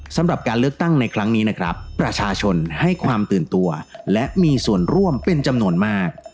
สำหรับการเลือกตั้งในครั้งนี้นะครับประชาชนให้ความตื่นตัวและมีส่วนร่วมเป็นจำนวนมาก